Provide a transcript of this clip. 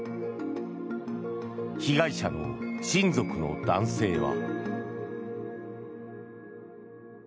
被害者の親族の男性は。